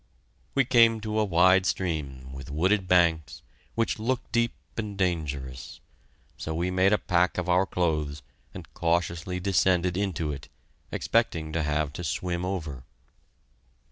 We came to a wide stream, with wooded banks, which looked deep and dangerous. So we made a pack of our clothes, and cautiously descended into it, expecting to have to swim over.